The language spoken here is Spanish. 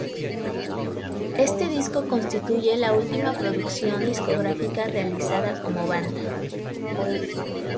Este disco constituye la última producción discográfica realizada como banda.